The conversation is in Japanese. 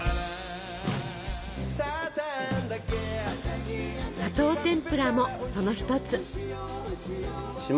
「砂糖てんぷら」もその１つ。